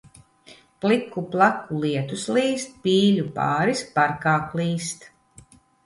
Pliku plaku lietus līst, pīļu pāris parkā klīst.